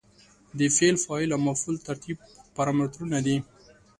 د فعل، فاعل او مفعول ترتیب پارامترونه دي.